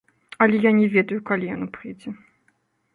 Але я не ведаю, калі яно прыйдзе.